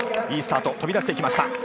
いいスタート、飛び出してきました。